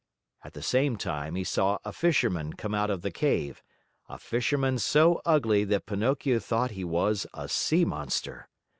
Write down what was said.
At the same time, he saw a Fisherman come out of the cave, a Fisherman so ugly that Pinocchio thought he was a sea monster.